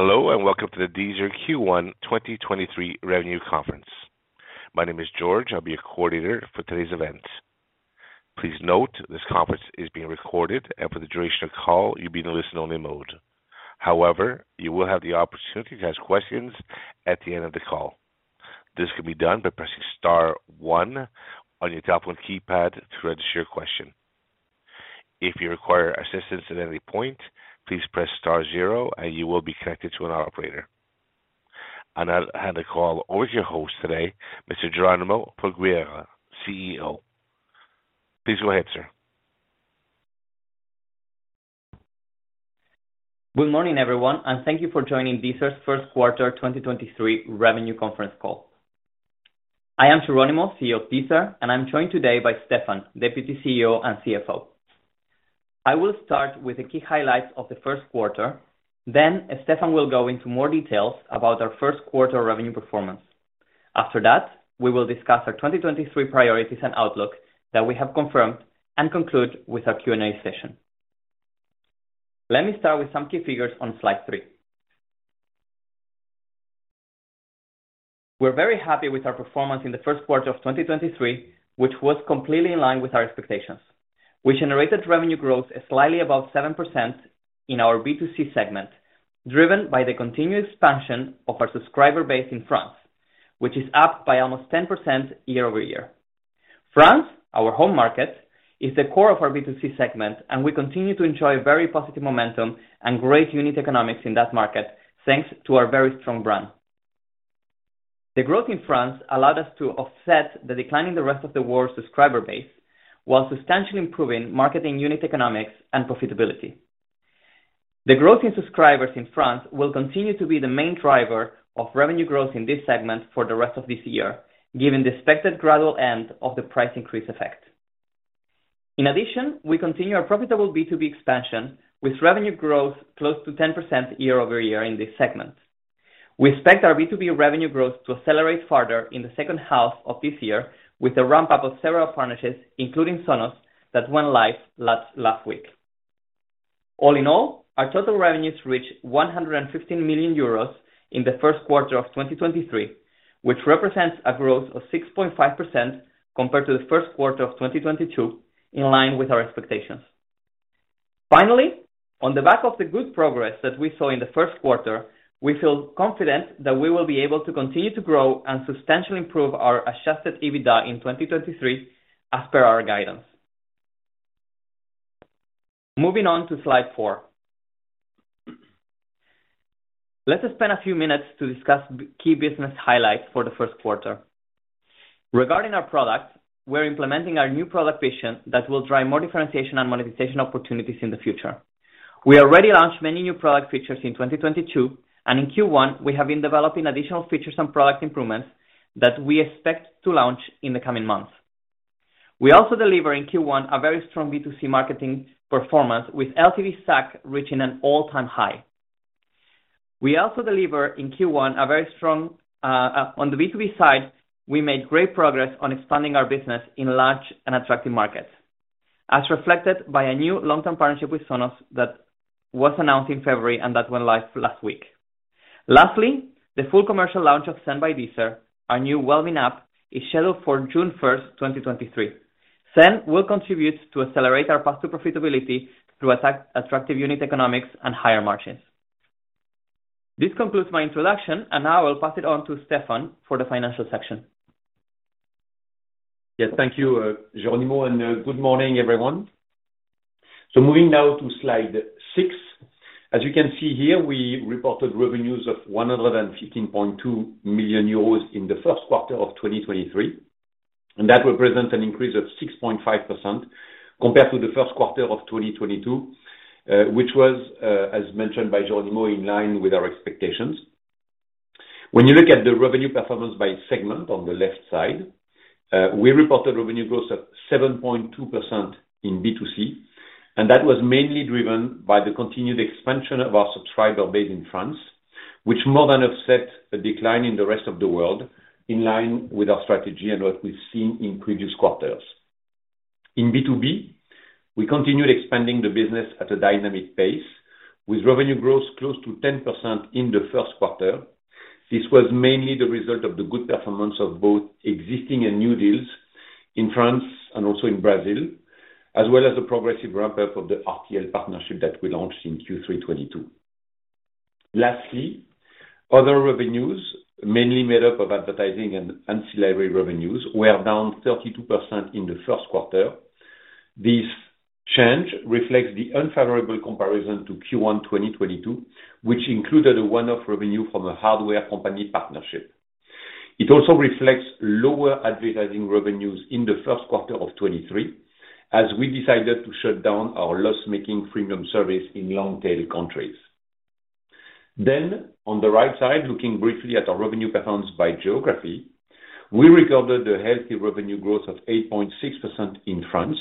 Hello, welcome to the Deezer Q1 2023 Revenue Conference. My name is George, I'll be your coordinator for today's event. Please note this conference is being recorded, for the duration of call, you'll be in a listen-only mode. However, you will have the opportunity to ask questions at the end of the call. This can be done by pressing star one on your telephone keypad to register your question. If you require assistance at any point, please press star zero, you will be connected to an operator. I'll hand the call over to your host today, Mr. Jeronimo Folgueira, CEO. Please go ahead, sir. Good morning, everyone, thank you for joining Deezer's Q1 2023 revenue conference call. I am Jeronimo, CEO of Deezer, and I'm joined today by Stéphane, Deputy CEO and CFO. I will start with the key highlights of the Q1, then Stéphane will go into more details about our Q1 revenue performance. After that, we will discuss our 2023 priorities and outlook that we have confirmed and conclude with our Q&A session. Let me start with some key figures on slide 3. We're very happy with our performance in the Q1 of 2023, which was completely in line with our expectations. We generated revenue growth slightly above 7% in our B2C segment, driven by the continued expansion of our subscriber base in France, which is up by almost 10% year-over-year. France, our home market, is the core of our B2C segment, and we continue to enjoy very positive momentum and great unit economics in that market, thanks to our very strong brand. The growth in France allowed us to offset the decline in the rest of the world subscriber base, while substantially improving marketing unit economics and profitability. The growth in subscribers in France will continue to be the main driver of revenue growth in this segment for the rest of this year, given the expected gradual end of the price increase effect. In addition, we continue our profitable B2B expansion with revenue growth close to 10% year-over-year in this segment. We expect our B2B revenue growth to accelerate further in the second half of this year with a ramp-up of several partnerships, including Sonos, that went live last week. All in all, our total revenues reached 115 million euros in the Q1 of 2023, which represents a growth of 6.5% compared to the Q1 of 2022, in line with our expectations. Finally, on the back of the good progress that we saw in the Q1, we feel confident that we will be able to continue to grow and substantially improve our Adjusted EBITDA in 2023 as per our guidance. Moving on to slide four. Let us spend a few minutes to discuss key business highlights for the Q1. Regarding our product, we're implementing our new product vision that will drive more differentiation and monetization opportunities in the future. We already launched many new product features in 2022, and in Q1, we have been developing additional features and product improvements that we expect to launch in the coming months. We also deliver in Q1 a very strong B2C marketing performance with LTV/SAC reaching an all-time high. We also deliver in Q1 a very strong, on the B2B side, we made great progress on expanding our business in large and attractive markets, as reflected by a new long-term partnership with Sonos that was announced in February and that went live last week. The full commercial launch of Zen by Deezer, our new well-being app, is scheduled for June first, 2023. Zen will contribute to accelerate our path to profitability through attractive unit economics and higher margins. This concludes my introduction. I'll pass it on to Stéphane for the financial section. Yes, thank you, Jeronimo, and good morning, everyone. Moving now to slide 6. As you can see here, we reported revenues of 115.2 million euros in the Q1 of 2023. That represent an increase of 6.5% compared to the Q1 of 2022, which was, as mentioned by Jeronimo, in line with our expectations. When you look at the revenue performance by segment on the left side, we reported revenue growth of 7.2% in B2C, and that was mainly driven by the continued expansion of our subscriber base in France, which more than offset a decline in the rest of the world in line with our strategy and what we've seen in previous quarters. In B2B, we continued expanding the business at a dynamic pace with revenue growth close to 10% in the Q1. This was mainly the result of the good performance of both existing and new deals in France and also in Brazil, as well as the progressive ramp-up of the RTL partnership that we launched in Q3 2022. Other revenues, mainly made up of advertising and ancillary revenues, were down 32% in the Q1. This change reflects the unfavorable comparison to Q1 2022, which included a one-off revenue from a hardware company partnership. It also reflects lower advertising revenues in the Q1 of 2023 as we decided to shut down our loss-making premium service in long-tail countries. On the right side, looking briefly at our revenue performance by geography, we recorded a healthy revenue growth of 8.6% in France,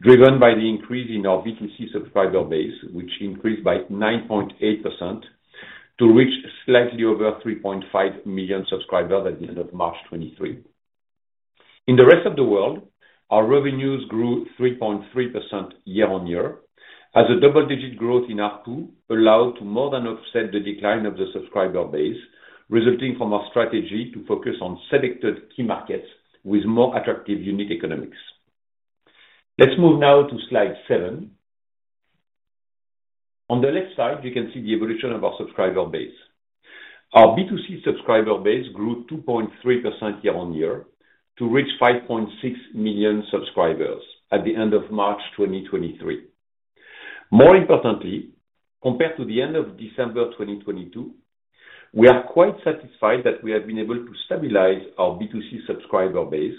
driven by the increase in our B2C subscriber base, which increased by 9.8% to reach slightly over 3.5 million subscribers at the end of March 2023. In the rest of the world, our revenues grew 3.3% year-on-year as a double-digit growth in ARPU allowed to more than offset the decline of the subscriber base, resulting from our strategy to focus on selected key markets with more attractive unit economics. Let's move now to slide 7. On the left side, you can see the evolution of our subscriber base. Our B2C subscriber base grew 2.3% year-on-year to reach 5.6 million subscribers at the end of March 2023. More importantly, compared to the end of December 2022, we are quite satisfied that we have been able to stabilize our B2C subscriber base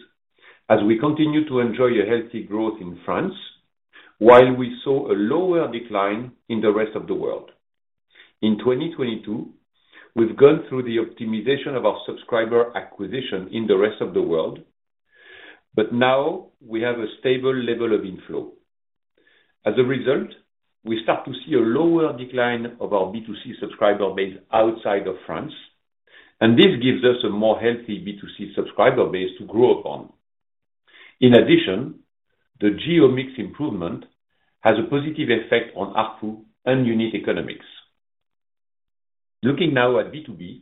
as we continue to enjoy a healthy growth in France while we saw a lower decline in the rest of the world. In 2022, we've gone through the optimization of our subscriber acquisition in the rest of the world, but now we have a stable level of inflow. As a result, we start to see a lower decline of our B2C subscriber base outside of France, and this gives us a more healthy B2C subscriber base to grow upon. In addition, the geo mix improvement has a positive effect on ARPU and unit economics. Looking now at B2B,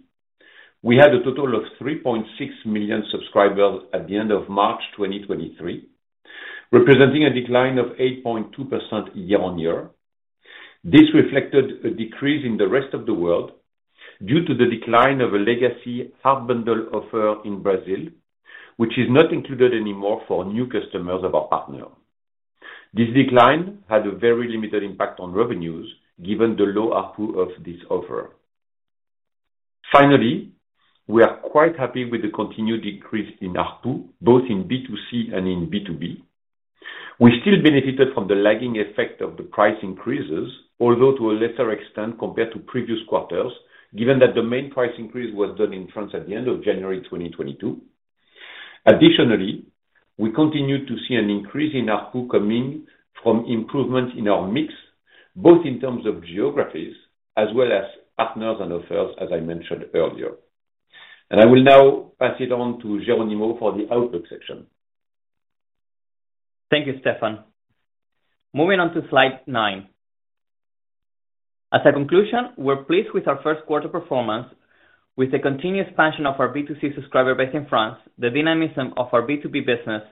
we had a total of 3.6 million subscribers at the end of March 2023, representing a decline of 8.2% year-on-year. This reflected a decrease in the rest of the world due to the decline of a legacy hard bundle offer in Brazil, which is not included anymore for new customers of our partner. This decline had a very limited impact on revenues given the low ARPU of this offer. We are quite happy with the continued decrease in ARPU, both in B2C and in B2B. We still benefited from the lagging effect of the price increases, although to a lesser extent compared to previous quarters, given that the main price increase was done in France at the end of January 2022. We continue to see an increase in ARPU coming from improvements in our mix, both in terms of geographies as well as partners and offers, as I mentioned earlier. I will now pass it on to Jeronimo for the outlook section. Thank you, Stéphane. Moving on to slide 9. As a conclusion, we're pleased with our Q1 performance with the continued expansion of our B2C subscriber base in France, the dynamism of our B2B business,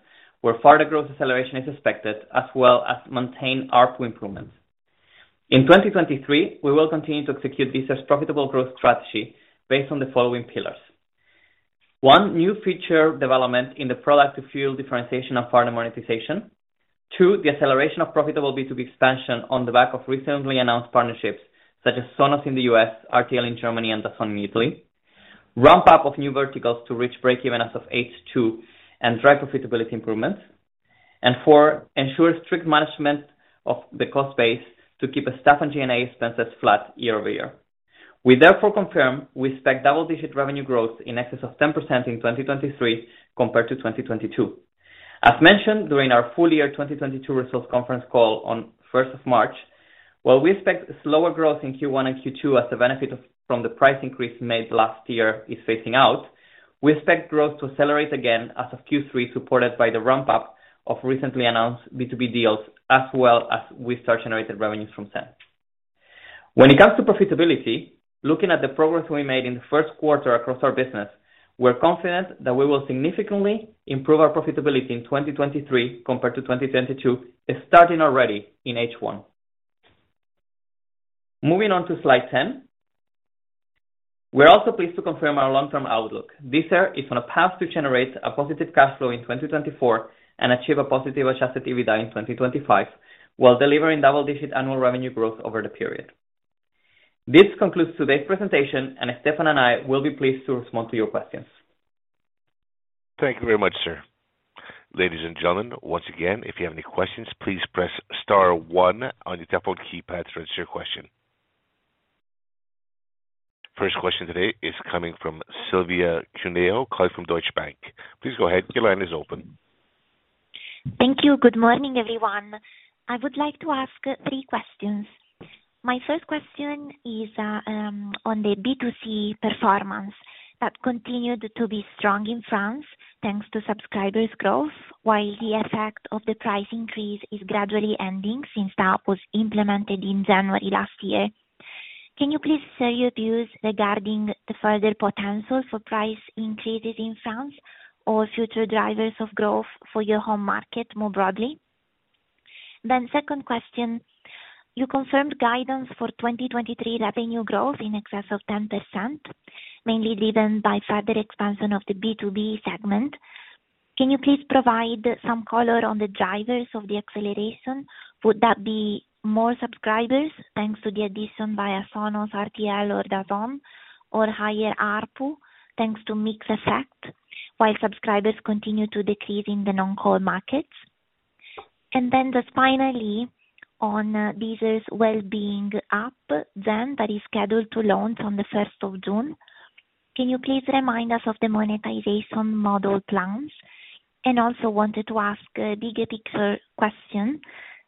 where further growth acceleration is expected as well as maintain ARPU improvements. In 2023, we will continue to execute this as profitable growth strategy based on the following pillars. 1. New feature development in the product to fuel differentiation and further monetization. 2. The acceleration of profitable B2B expansion on the back of recently announced partnerships such as Sonos in the U.S., RTL in Germany, and DAZN in Italy. 3. Ramp up of new verticals to reach break-even as of H2 and drive profitability improvements. 4. Ensure strict management of the cost base to keep a staff and G&A expenses flat year-over-year. We therefore confirm we expect double-digit revenue growth in excess of 10% in 2023 compared to 2022. As mentioned during our full year 2022 results conference call on first of March, while we expect slower growth in Q1 and Q2 as the benefit of from the price increase made last year is phasing out, we expect growth to accelerate again as of Q3, supported by the ramp-up of recently announced B2B deals as well as with such generated revenues from them. When it comes to profitability, looking at the progress we made in the Q1 across our business, we're confident that we will significantly improve our profitability in 2023 compared to 2022, starting already in H1. Moving on to slide 10. We're also pleased to confirm our long-term outlook. This year is on a path to generate a positive cash flow in 2024 and achieve a positive Adjusted EBITDA in 2025, while delivering double-digit annual revenue growth over the period. This concludes today's presentation. Stéphane and I will be pleased to respond to your questions. Thank you very much, sir. Ladies and gentlemen, once again, if you have any questions, please press star one on your telephone keypad to register your question. First question today is coming from Silvia Cuneo, calling from Deutsche Bank. Please go ahead. Your line is open. Thank you. Good morning, everyone. I would like to ask three questions. My first question is on the B2C performance that continued to be strong in France, thanks to subscribers' growth, while the effect of the price increase is gradually ending since that was implemented in January last year. Can you please share your views regarding the further potential for price increases in France or future drivers of growth for your home market more broadly? Second question, you confirmed guidance for 2023 revenue growth in excess of 10%, mainly driven by further expansion of the B2B segment. Can you please provide some color on the drivers of the acceleration? Would that be more subscribers, thanks to the addition via Sonos, RTL or DAZN or higher ARPU, thanks to mix effect while subscribers continue to decrease in the non-core markets? Just finally, on Deezer's well being app that is scheduled to launch on the first of June, can you please remind us of the monetization model plans? Wanted to ask a bigger picture question.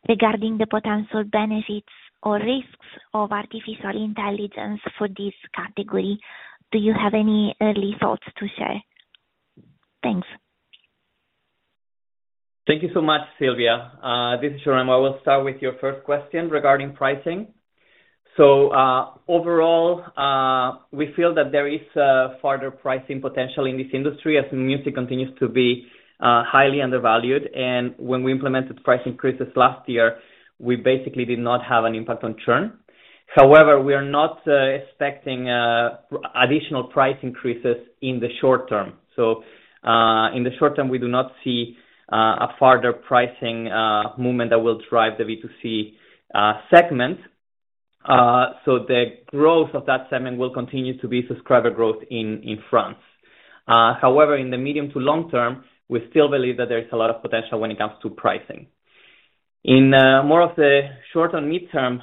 Regarding the potential benefits or risks of artificial intelligence for this category, do you have any early thoughts to share? Thanks. Thank you so much, Silvia. This is Jeronimo. I will start with your first question regarding pricing. Overall, we feel that there is further pricing potential in this industry as music continues to be highly undervalued. When we implemented price increases last year, we basically did not have an impact on churn. We are not expecting additional price increases in the short term. In the short term, we do not see a further pricing movement that will drive the B2C segment. The growth of that segment will continue to be subscriber growth in France. In the medium to long term, we still believe that there is a lot of potential when it comes to pricing. In more of the short and mid-term,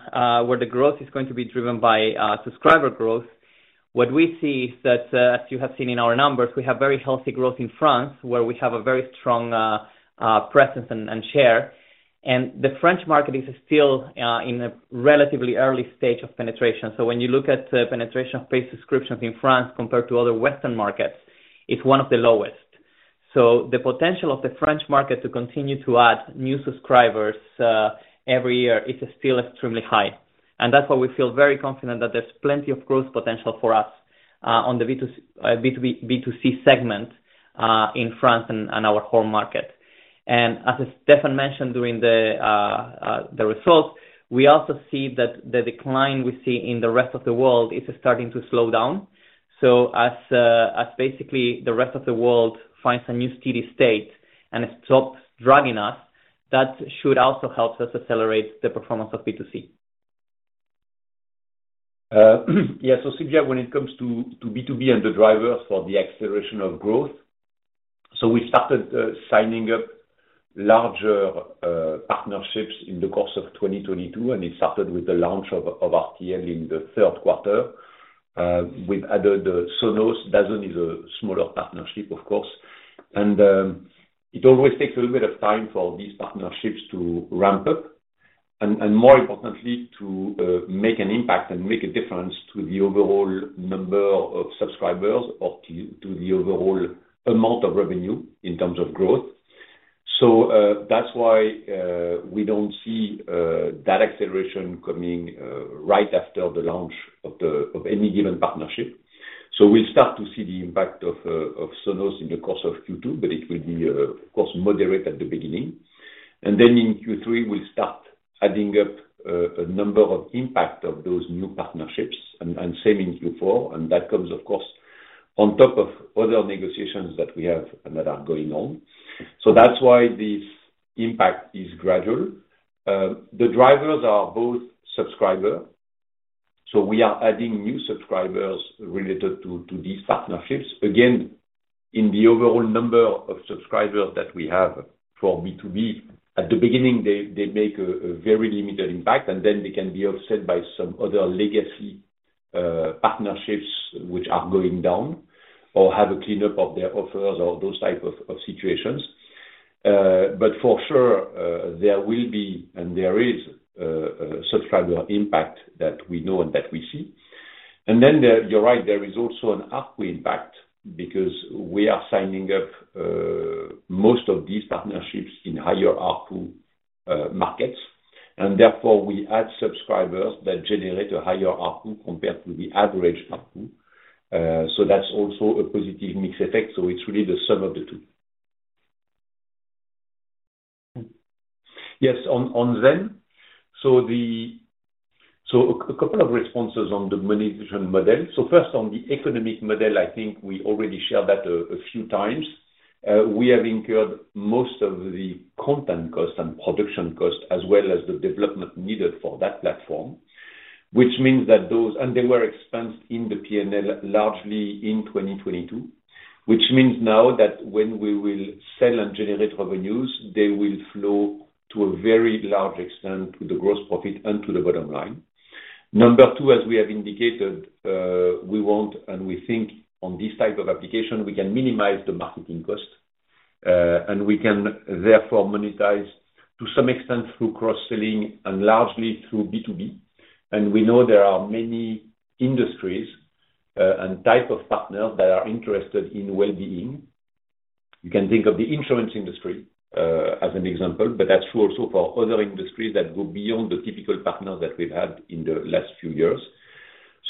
where the growth is going to be driven by subscriber growth, what we see is that, as you have seen in our numbers, we have very healthy growth in France, where we have a very strong presence and share. The French market is still in a relatively early stage of penetration. When you look at the penetration of paid subscriptions in France compared to other Western markets, it's one of the lowest. The potential of the French market to continue to add new subscribers every year is still extremely high. That's why we feel very confident that there's plenty of growth potential for us on the B2C segment in France and our home market. As Stéphane mentioned during the results, we also see that the decline we see in the rest of the world is starting to slow down. As basically the rest of the world finds a new steady state and stops dragging us, that should also help us accelerate the performance of B2C. Yeah. Silvia, when it comes to B2B and the drivers for the acceleration of growth, we started signing up larger partnerships in the course of 2022, and it started with the launch of RTL in the Q3. We've added Sonos. DAZN is a smaller partnership, of course. It always takes a little bit of time for these partnerships to ramp up and more importantly, to make an impact and make a difference to the overall number of subscribers or to the overall amount of revenue in terms of growth. That's why we don't see that acceleration coming right after the launch of any given partnership. We'll start to see the impact of Sonos in the course of Q2, but it will be, of course, moderate at the beginning. In Q3, we'll start adding up a number of impact of those new partnerships and same in Q4. That comes, of course, on top of other negotiations that we have and that are going on. That's why this impact is gradual. The drivers are both subscriber. We are adding new subscribers related to these partnerships. Again, in the overall number of subscribers that we have for B2B, at the beginning, they make a very limited impact, and then they can be offset by some other legacy partnerships which are going down or have a cleanup of their offers or those type of situations. For sure, there will be and there is subscriber impact that we know and that we see. You're right, there is also an ARPU impact because we are signing up most of these partnerships in higher ARPU markets, and therefore we add subscribers that generate a higher ARPU compared to the average ARPU. That's also a positive mix effect. It's really the sum of the two. Yes. On Zen. A couple of responses on the monetization model. First on the economic model, I think we already shared that a few times. We have incurred most of the content costs and production costs as well as the development needed for that platform. They were expensed in the P&L largely in 2022. Which means now that when we will sell and generate revenues, they will flow to a very large extent to the Gross Profit and to the bottom line. Number two, as we have indicated, we want and we think on this type of application, we can minimize the marketing cost, and we can therefore monetize to some extent through cross-selling and largely through B2B. We know there are many industries and type of partners that are interested in wellbeing. You can think of the insurance industry as an example. That's true also for other industries that go beyond the typical partners that we've had in the last few years.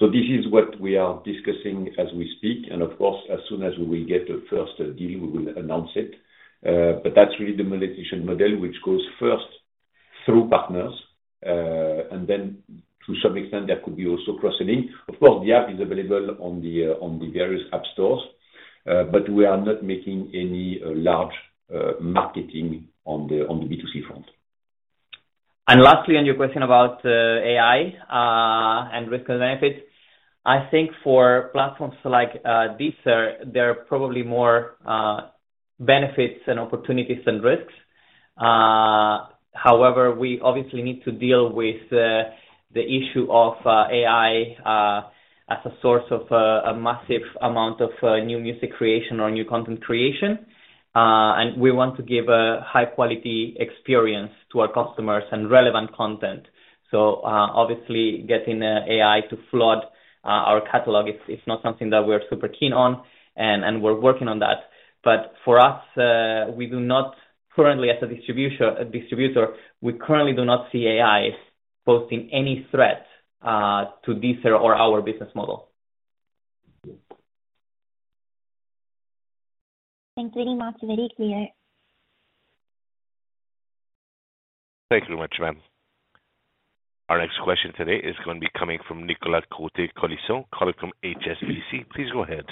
This is what we are discussing as we speak. Of course, as soon as we will get a first deal, we will announce it. That's really the monetization model, which goes first through partners, and then to some extent there could be also cross-selling. Of course, the app is available on the, on the various app stores, but we are not making any large marketing on the, on the B2C front. Lastly, on your question about AI, and risk and benefits, I think for platforms like these, there are probably more benefits and opportunities than risks. However, we obviously need to deal with the issue of AI, as a source of a massive amount of new music creation or new content creation. We want to give a high quality experience to our customers and relevant content. Obviously getting AI to flood our catalog is not something that we're super keen on, and we're working on that. For us, we do not currently as a distributor, we currently do not see AI posing any threat to Deezer or our business model. Thanks. Really not very clear. Thank you very much, ma'am. Our next question today is gonna be coming from Nicolas Cote-Colisson calling from HSBC. Please go ahead.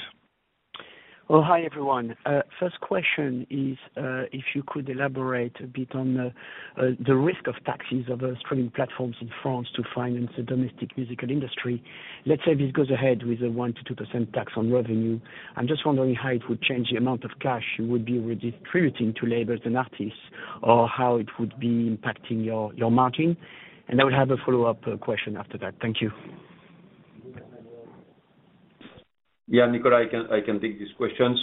Well, hi, everyone. first question is, if you could elaborate a bit on the risk of taxes of streaming platforms in France to finance the domestic musical industry. Let's say this goes ahead with a 1%-2% tax on revenue. I'm just wondering how it would change the amount of cash you would be redistributing to labels and artists or how it would be impacting your margin. I would have a follow-up question after that. Thank you. Nicolas, I can take this question.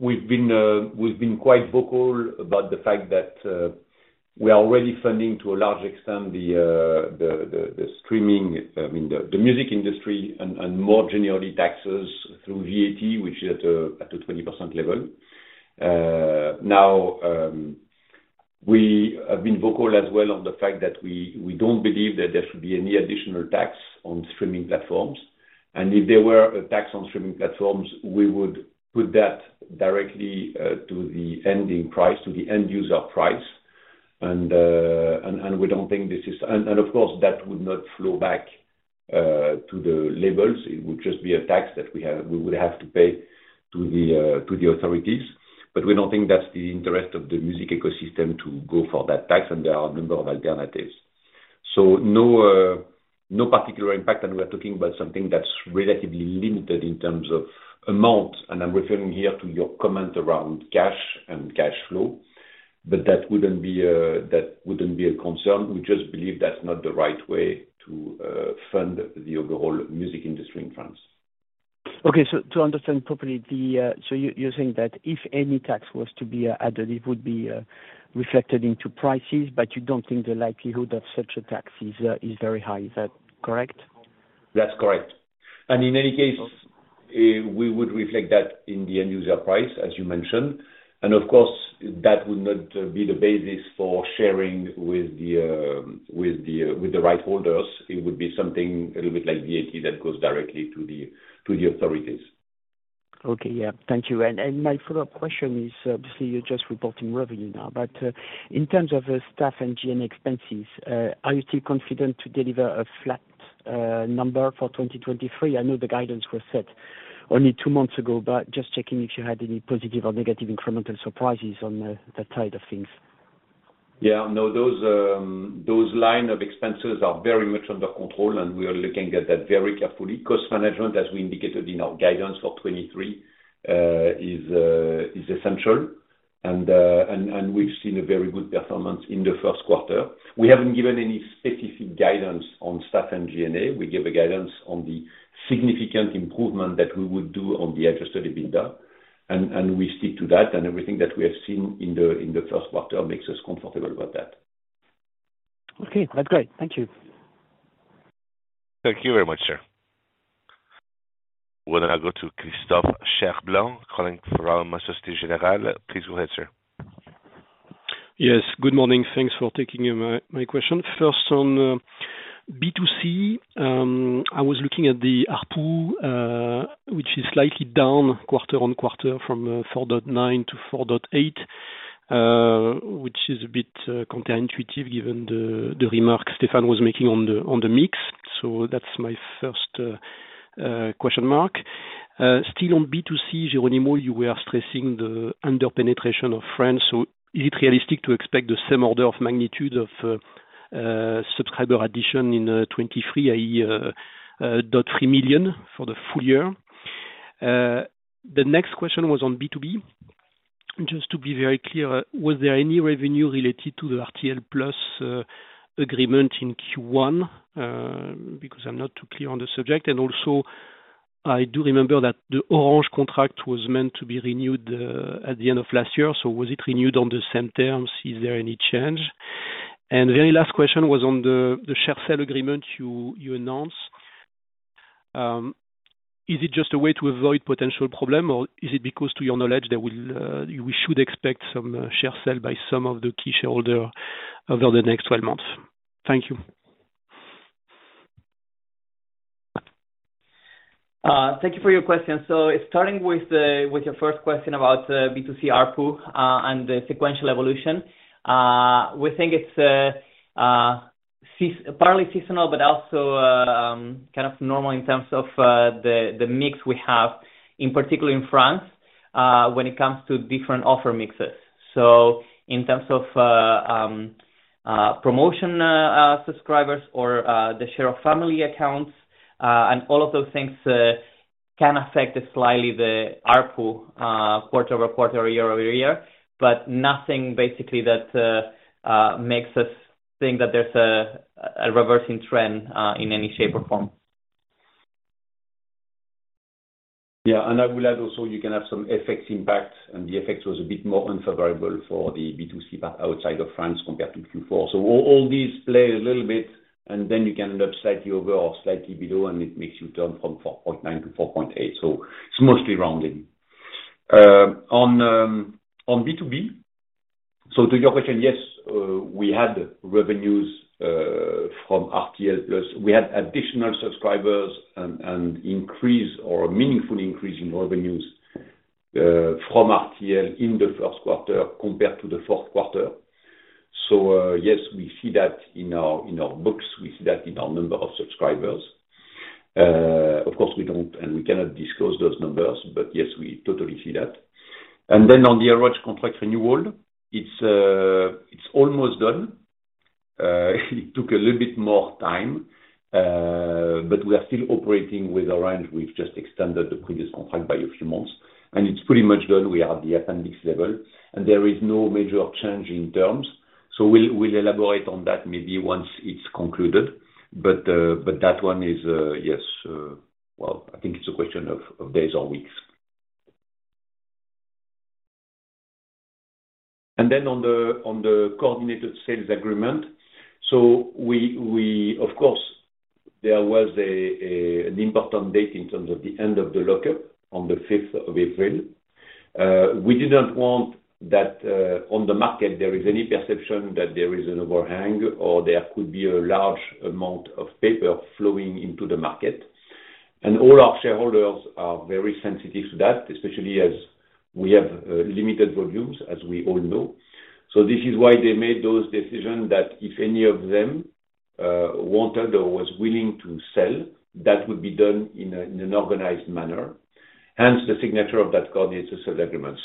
We've been quite vocal about the fact that we are already funding to a large extent the music industry and more generally taxes through VAT, which is at a 20% level. Now, we have been vocal as well on the fact that we don't believe that there should be any additional tax on streaming platforms. If there were a tax on streaming platforms, we would put that directly to the end user price. We don't think this is. Of course, that would not flow back to the labels. It would just be a tax that we have, we would have to pay to the authorities. We don't think that's the interest of the music ecosystem to go for that tax, and there are a number of alternatives. No, no particular impact, and we're talking about something that's relatively limited in terms of amount, and I'm referring here to your comment around cash and cash flow. That wouldn't be, that wouldn't be a concern. We just believe that's not the right way to fund the overall music industry in France. You're saying that if any tax was to be added, it would be reflected into prices, you don't think the likelihood of such a tax is very high. Is that correct? That's correct. In any case, we would reflect that in the end user price, as you mentioned. Of course, that would not be the basis for sharing with the, with the, with the right holders. It would be something a little bit like VAT that goes directly to the, to the authorities. Okay. Yeah. Thank you. My follow-up question is, obviously you're just reporting revenue now, but in terms of staff and G&A expenses, are you still confident to deliver a flat number for 2023? I know the guidance was set only two months ago, but just checking if you had any positive or negative incremental surprises on that side of things. No, those line of expenses are very much under control, we are looking at that very carefully. Cost management, as we indicated in our guidance for 23, is essential. We've seen a very good performance in the Q1. We haven't given any specific guidance on staff and G&A. We gave a guidance on the significant improvement that we would do on the Adjusted EBITDA, we stick to that, everything that we have seen in the Q1 makes us comfortable about that. Okay. That's great. Thank you. Thank you very much, sir. We'll now go to Christophe Cherblanc calling from Societe Generale. Please go ahead, sir. Yes. Good morning. Thanks for taking my question. First on B2C, I was looking at the ARPU, which is slightly down quarter-on-quarter from 4.9 to 4.8, which is a bit counterintuitive given the remarks Stéphane was making on the mix. That's my first question mark. Still on B2C, Jeronimo, you were stressing the under-penetration of France, is it realistic to expect the same order of magnitude of subscriber addition in 2023, i.e., 0.3 million for the full year? The next question was on B2B. Just to be very clear, was there any revenue related to the RTL+ agreement in Q1? I'm not too clear on the subject. Also, I do remember that the Orange contract was meant to be renewed at the end of last year. Was it renewed on the same terms? Is there any change? Very last question was on the share sale agreement you announced. Is it just a way to avoid potential problem, or is it because to your knowledge we should expect some share sale by some of the key shareholder over the next 12 months? Thank you. Thank you for your question. Starting with the, with your first question about B2C ARPU, and the sequential evolution, we think it's partly seasonal, but also, kind of normal in terms of the mix we have in particular in France, when it comes to different offer mixes. In terms of promotion, subscribers or the share of family accounts, and all of those things, can affect slightly the ARPU, quarter-over-quarter, year-over-year, but nothing basically that makes us think that there's a reversing trend, in any shape or form. I will add also you can have some effects impact, and the effects was a bit more unfavorable for the B2C outside of France compared to Q4. All these play a little bit, and then you can end up slightly over or slightly below, and it makes you turn from 4.9 to 4.8. It's mostly rounding. On B2B, to your question, yes, we had revenues from RTL+. We had additional subscribers and increase or meaningfully increase in revenues from RTL in the Q1 compared to the Q4. Yes, we see that in our, in our books, we see that in our number of subscribers. Of course, we don't and we cannot disclose those numbers. Yes, we totally see that. On the average contract renewal, it's almost done. It took a little bit more time, but we are still operating with Orange. We've just extended the previous contract by a few months, and it's pretty much done. We are at the appendix level, and there is no major change in terms. We'll elaborate on that maybe once it's concluded. That one is, yes, well, I think it's a question of days or weeks. On the coordinated sales agreement. Of course, there was an important date in terms of the end of the lockup on the fifth of April. we didn't want that, on the market, there is any perception that there is an overhang or there could be a large amount of paper flowing into the market. All our shareholders are very sensitive to that, especially as we have limited volumes, as we all know. This is why they made those decisions that if any of them, wanted or was willing to sell, that would be done in an organized manner, hence the signature of that coordinated sales agreement.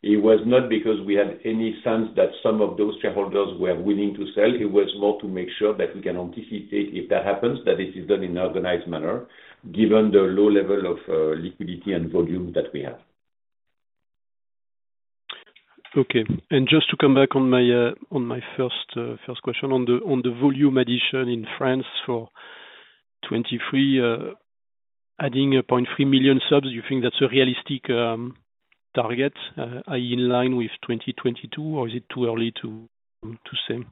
It was not because we had any sense that some of those shareholders were willing to sell. It was more to make sure that we can anticipate if that happens, that it is done in an organized manner, given the low level of liquidity and volume that we have. Okay. Just to come back on my first question on the volume addition in France for 2023, adding 0.3 million subs, you think that's a realistic target in line with 2022 or is it too early to say?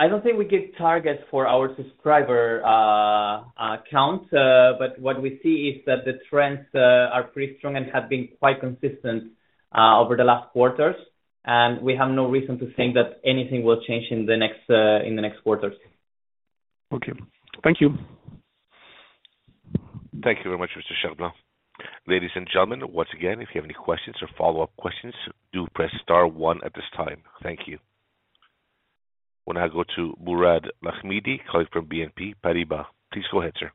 I don't think we give targets for our subscriber count. What we see is that the trends are pretty strong and have been quite consistent over the last quarters, and we have no reason to think that anything will change in the next in the next quarters. Okay. Thank you. Thank you very much, Mr. Cherblanc. Ladies and gentlemen, once again, if you have any questions or follow-up questions, do press star one at this time. Thank you. We'll now go to Mourad Lahmidi, colleague from BNP Paribas. Please go ahead, sir.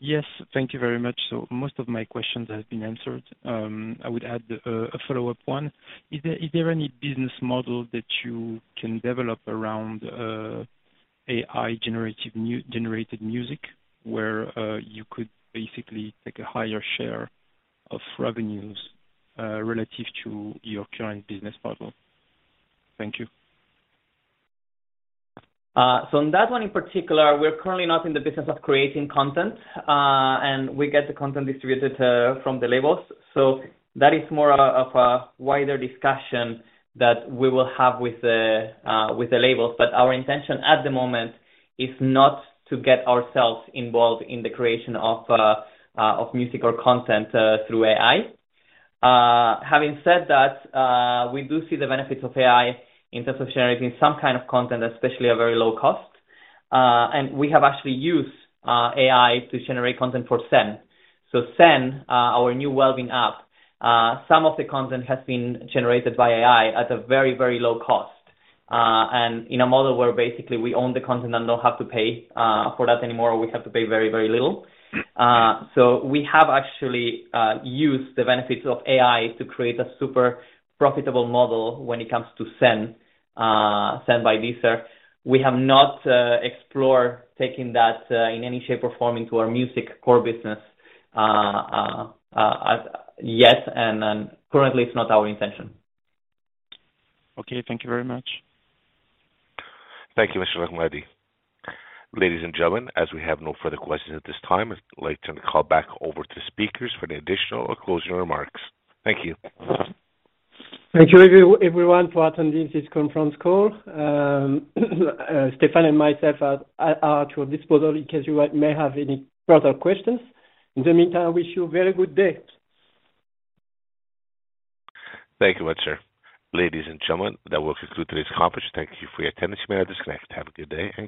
Yes, thank you very much. Most of my questions have been answered. I would add a follow-up one. Is there any business model that you can develop around AI generated music where you could basically take a higher share of revenues relative to your current business model? Thank you. On that one in particular, we're currently not in the business of creating content, and we get the content distributed from the labels. That is more of a wider discussion that we will have with the labels. Our intention at the moment is not to get ourselves involved in the creation of music or content through AI. Having said that, we do see the benefits of AI in terms of generating some kind of content, especially at very low cost. We have actually used AI to generate content for Zen. Zen, our new wellbeing app, some of the content has been generated by AI at a very, very low cost, and in a model where basically we own the content and don't have to pay for that anymore, we have to pay very, very little. We have actually used the benefits of AI to create a super profitable model when it comes to Zen by Deezer. We have not explored taking that in any shape or form into our music core business as yet, currently it's not our intention. Okay, thank you very much. Thank you, Mr. Lahmidi. Ladies and gentlemen, as we have no further questions at this time, I'd like to turn the call back over to speakers for the additional or closing remarks. Thank you. Thank you everyone for attending this conference call. Stéphane and myself are at your disposal in case you may have any further questions. In the meantime, wish you a very good day. Thank you, sir. Ladies and gentlemen, that will conclude today's conference. Thank you for your attendance. You may disconnect. Have a good day.